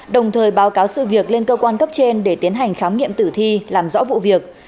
đồng thời báo cáo sự việc lên cơ quan cấp trên để tiến hành khám nghiệm tử thi làm rõ vụ việc